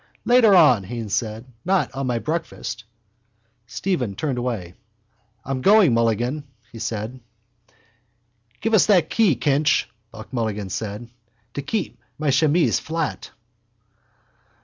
—Later on, Haines said. Not on my breakfast. Stephen turned away. —I'm going, Mulligan, he said. —Give us that key, Kinch, Buck Mulligan said, to keep my chemise flat.